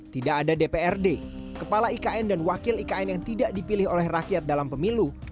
tidak ada dprd kepala ikn dan wakil ikn yang tidak dipilih oleh rakyat dalam pemilu